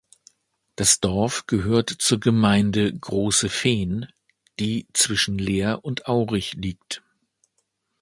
Das Dorf gehört zur Gemeinde Großefehn, die zwischen Leer und Aurich liegt.